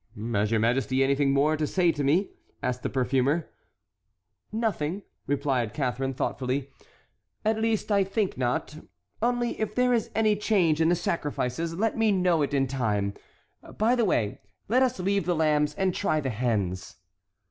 "Has your majesty anything more to say to me?" asked the perfumer. "Nothing," replied Catharine, thoughtfully; "at least I think not, only if there is any change in the sacrifices, let me know it in time. By the way, let us leave the lambs, and try the hens."